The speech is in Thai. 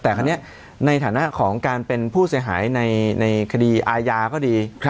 แต่คราวนี้ในฐานะของการเป็นผู้เสียหายในคดีอาญาก็ดี